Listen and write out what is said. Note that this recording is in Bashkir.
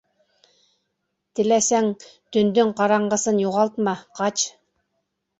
Теләсәң, төндөң ҡараңғысын юғалтма, ҡач.